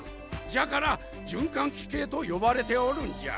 じゃから循環器系と呼ばれておるんじゃ。